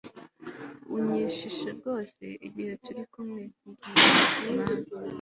unyishisha rwose igihe turikumwe bwira mwana